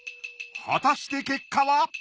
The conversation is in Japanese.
果たして結果は！？